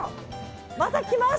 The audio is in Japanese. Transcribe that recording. また来ます。